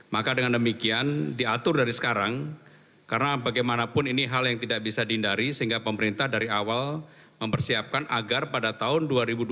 maka dengan demikian diatur dari sekarang karena bagaimanapun ini hal yang tidak bisa dihindari sehingga pemerintah dari awal mempersiapkan agar pada tahun dua ribu dua puluh